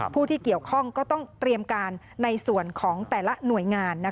ผู้ที่เกี่ยวข้องก็ต้องเตรียมการในส่วนของแต่ละหน่วยงาน